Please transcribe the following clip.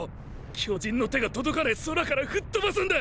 巨人の手が届かねぇ空から吹っ飛ばすんだ！！